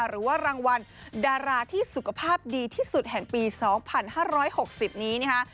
หรือว่ารางวัลดาราที่สุขภาพดีที่สุดแห่งปี๒๕๖๐นี้นะคะ